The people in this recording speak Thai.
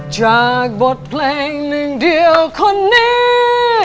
จากบทเพลงหนึ่งเดียวคนนี้